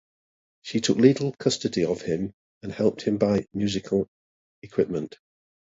She took legal custody of him and helped him buy musical equipment.